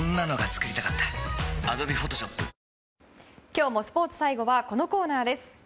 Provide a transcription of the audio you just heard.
今日もスポーツ最後はこのコーナーです。